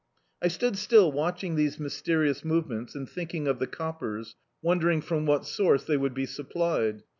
I stood still watching these mysterious movements, and thinking of the coppers, wondering from what source they would be supplied.